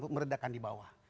untuk meredakan di bawah